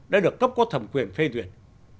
đã được cấp có thẩm quyền phê duyệt